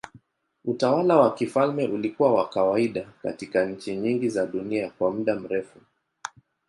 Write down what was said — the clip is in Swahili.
Utawala wa kifalme ulikuwa wa kawaida katika nchi nyingi za dunia kwa muda mrefu.